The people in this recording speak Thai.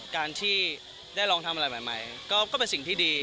การที่ได้ลองทำอะไรใหม่ก็เป็นสิ่งที่ดี